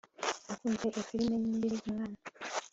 nakunze iyo firime nkiri umwana